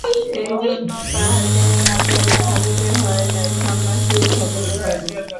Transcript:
এইজন্য তাঁহাকে রাজাও সাজিতে হয় নাই, সন্ন্যাসীও সাজিতে হয় নাই।